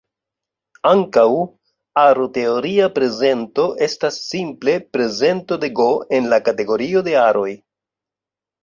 Ankaŭ, aro-teoria prezento estas simple prezento de "G" en la kategorio de aroj.